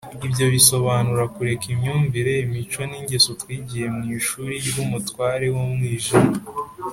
ibyo bisobanura kureka imyumvire, imico n’ingeso twigiye mu ishuri ry’umutware w’umwijima